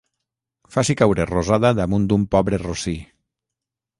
Faci caure rosada damunt d'un pobre rossí.